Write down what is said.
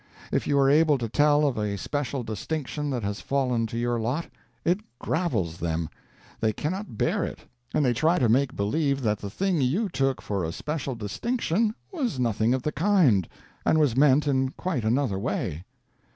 If you are able to tell of a special distinction that has fallen to your lot, it gravels them; they cannot bear it; and they try to make believe that the thing you took for a special distinction was nothing of the kind and was meant in quite another way.